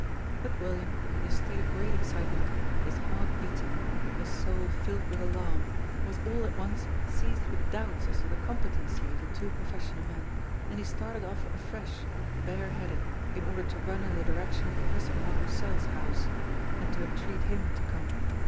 But William, in a state of great excitement, his heart beating, his soul filled with alarm was all at once seized with doubts as to the competency of the two professional men, and he started off afresh, bareheaded, in order to run in the direction of Professor Mas Roussel's house, and to entreat him to come.